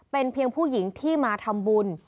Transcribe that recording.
เป็นเพียงผู้หญิงที่มาทำบุญ